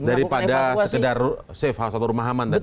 daripada sekedar safe house atau rumah aman tadi